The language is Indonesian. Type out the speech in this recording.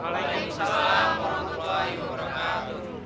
waalaikumsalam warahmatullahi wabarakatuh